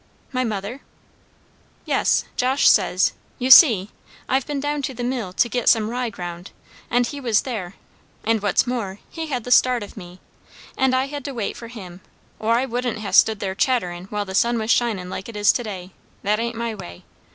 "My mother?" "Yes. Josh says you see, I've bin down to mill to git some rye ground, and he was there; and what's more, he had the start of me, and I had to wait for him, or I wouldn't ha' stood there chatterin' while the sun was shinin' like it is to day; that ain't my way.